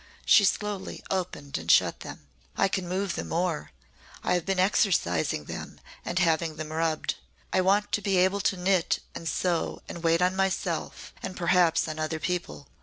She slowly opened and shut them. "I can move them more I have been exercising them and having them rubbed. I want to be able to knit and sew and wait on myself and perhaps on other people.